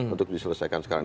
untuk diselesaikan sekarang